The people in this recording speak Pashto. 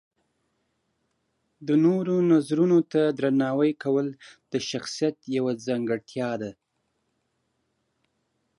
د نورو نظرونو ته درناوی کول د شخصیت یوه ځانګړتیا ده.